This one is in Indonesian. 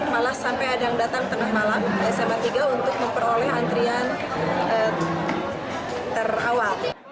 malah sampai ada yang datang tengah malam sma tiga untuk memperoleh antrian terawal